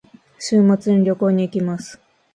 週末に旅行に行きます。